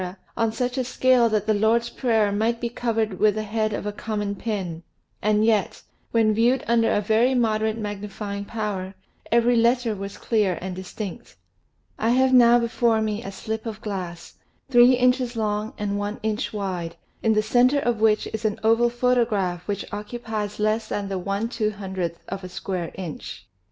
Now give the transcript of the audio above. on such a scale that the Lord's Prayer might be covered with the head of a common pin, and yet, when viewed under a very moderate magnifying power, every letter was clear aftd distinct. I have now before me a slip of glass, three inches long and one inch wide, in the center of which is an oval photograph which occupies less than the i 2OOth of a square inch.